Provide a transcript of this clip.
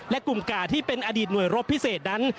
และกลุ่มกาที่เป็นอดีตหน่วยรบพิเศษนั้น